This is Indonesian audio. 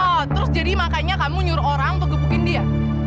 oh terus jadi makanya kamu nyuruh orang untuk gebukin dia